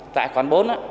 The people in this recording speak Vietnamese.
tại khoản bốn